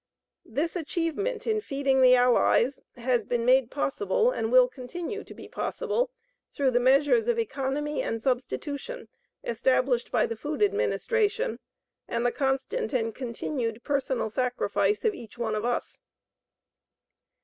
This achievement in feeding the Allies has been made possible and will continue to be possible, through the measures of economy and substitution established by the Food Administration, and the constant and continued personal sacrifice of each one of us.